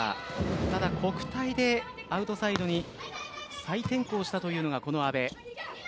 ただ、国体でアウトサイドに再転向したというのがこの阿部。